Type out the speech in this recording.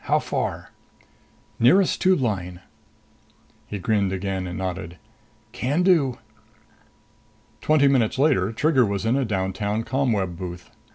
How far?" "Nearest tube line." He grinned again and nodded. "Can do." Twenty minutes later Trigger was in a downtown ComWeb booth.